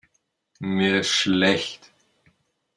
Mir ist schlecht.